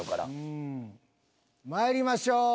まいりましょう。